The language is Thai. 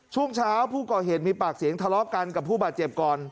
ช่วงเช้าผู้ก่อเหตุมีปากเสียงทะเลาะกันกับผู้บาดเจ็บก่อน